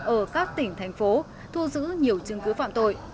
ở các tỉnh thành phố thu giữ nhiều chứng cứ phạm tội